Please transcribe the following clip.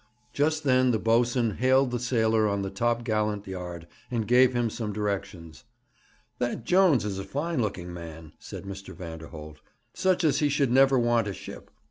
Just then the boatswain hailed the sailor on the top gallant yard, and gave him some directions. 'That Jones is a fine looking man,' said Mr. Vanderholt; 'such as he should never want a ship.